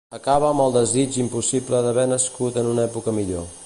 Acaba amb el desig impossible d'haver nascut en una època millor.